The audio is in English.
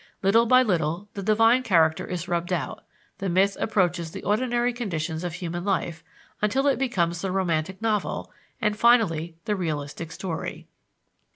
Little by little the divine character is rubbed out; the myth approaches the ordinary conditions of human life, until it becomes the romantic novel, and finally the realistic story.